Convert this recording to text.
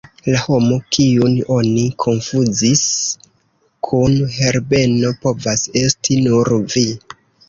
La homo, kiun oni konfuzis kun Herbeno povas esti nur vi.